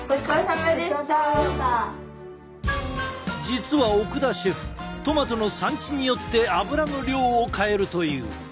実は奥田シェフトマトの産地によって油の量を変えるという。